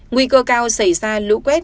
nguy cơ cao xảy ra lũ quét